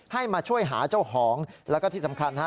มาช่วยหาเจ้าของแล้วก็ที่สำคัญฮะ